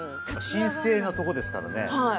神聖なところですからね